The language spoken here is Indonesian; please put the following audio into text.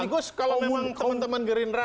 bagus kalau memang teman teman gerindra